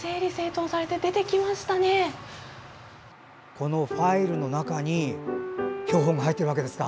このファイルの中に標本が入っているんですか。